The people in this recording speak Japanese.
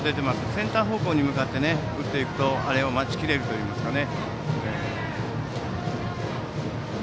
センター方向に打っていくと、あれを待ちきれるといいますかね。